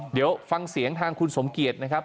เดี๋ยวฟังเสียงทางคุณสมเกียจนะครับ